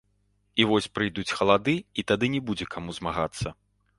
І вось прыйдуць халады, і тады не будзе каму змагацца.